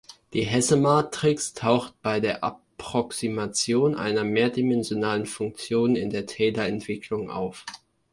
Die Hesse-Matrix taucht bei der Approximation einer mehrdimensionalen Funktion in der Taylor-Entwicklung auf.